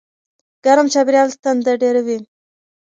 ګرم چاپېریال تنده ډېروي.